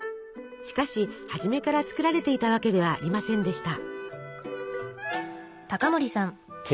しかし初めから作られていたわけではありませんでした。